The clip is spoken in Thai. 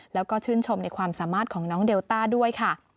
แล้วก็ชื่นชมในความสามารถของน้องเดลต้าด้วยค่ะ